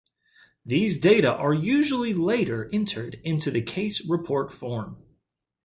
These data are usually later entered in the case report form.